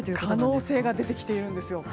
可能性が出てきているんです。